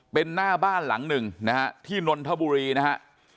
เป็นหน้าบ้านหลังหนึ่งที่นนทบุรีนะครับ